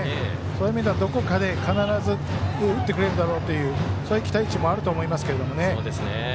そういう意味ではどこかで必ず打ってくれるだろうというそういう期待値もあると思いますけどね。